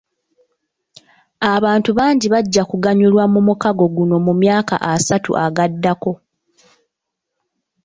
Abantu bangi bajja kuganyulwa mu mukago guno mu myaka asatu agaddako.